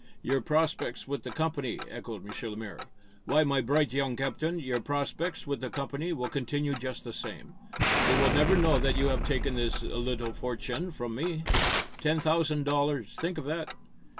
"Your prospects with the company?" echoed M. Lemaire. "Why, my bright young captain, your prospects with the company will continue just the same. They will never know that you have taken this little fortune from me. Ten thousand dollars! Think of that!"